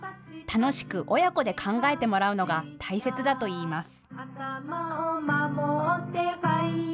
楽しく親子で考えてもらうのが大切だといいます。